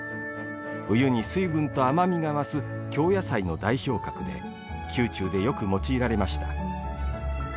冬に水分と甘みが増す京野菜の代表格で宮中でよく用いられました。